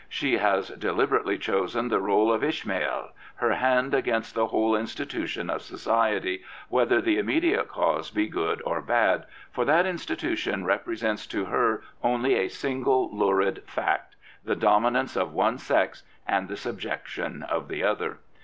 She has deliberately chosen the rWe of Ishmael, her hand against the whole institution of society, whether the immediate cause be good or bad, for that institution represents to her only a single lurid fact — the domin ance of one sex and the subjection of the other.